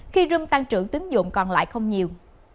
khi rom tăng trưởng tính dụng còn lại không nhiều